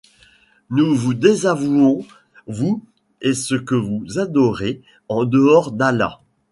Nous vous désavouons, vous et ce que vous adorez en dehors d'Allah.